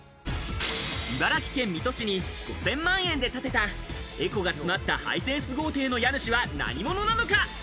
茨城県水戸市に５０００万円で建てたエコが詰まったハイセンス豪邸の家主は何者なのか？